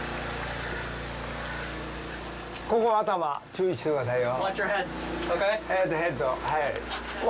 ここ頭注意してくださいよ。